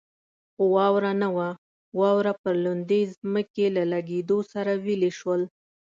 خو واوره نه وه، واوره پر لوندې ځمکې له لګېدو سره ویلې شول.